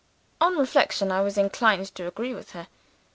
"On reflection, I was inclined to agree with her.